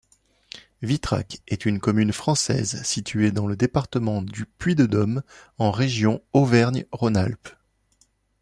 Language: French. Vitrac est une commune française située dans le département du Puy-de-Dôme, en région Auvergne-Rhône-Alpes.